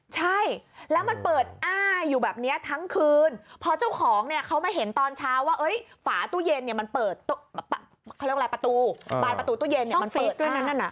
ใช่แล้วมันเปิดอ้าอยู่แบบนี้ทั้งคืนพอเจ้าของเนี่ยเขามาเห็นตอนเช้าว่าฝาตู้เย็นเนี่ยมันเปิดเขาเรียกอะไรประตูบานประตูตู้เย็นเนี่ยมันเปิด